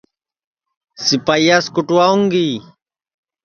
سِپائییاس کُوٹاؤں گی